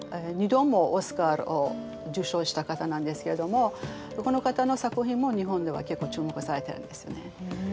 ２度もオスカーを受賞した方なんですけれどもこの方の作品も日本では結構注目されてるんですね。